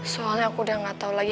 soalnya aku udah gak tau lagi